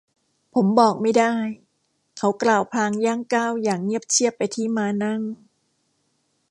ผมบอกไม่ได้ เขากล่าวพลางย่างก้าวอย่างเงียบเชียบไปที่ม้านั่ง